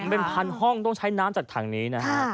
เป็นพันห้องต้องใช้น้ำจากถังนี้นะฮะ